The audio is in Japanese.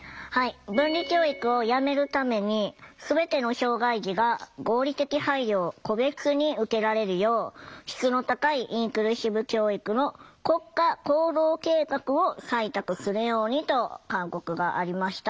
分離教育をやめるためにすべての障害児が合理的配慮を個別に受けられるよう質の高いインクルーシブ教育の国家行動計画を採択するようにと勧告がありました。